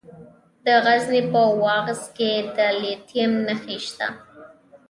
د غزني په واغظ کې د لیتیم نښې شته.